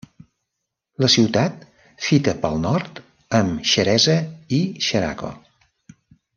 La ciutat fita pel nord amb Xeresa i Xeraco.